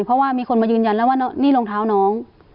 เพราะว่ามีคนมายืนยันแล้วว่านี่รองเท้าน้อง